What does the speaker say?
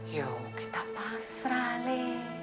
yuk kita pasrah le